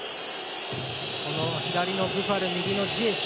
この左のブファル、右のジエシュ